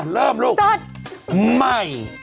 เริ่มลูกสดใหม่